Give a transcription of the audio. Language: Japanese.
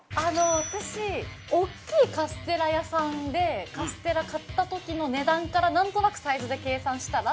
私大きいカステラ屋さんでカステラ買った時の値段からなんとなくサイズで計算したら。